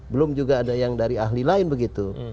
belum juga ada yang dari ahli lain begitu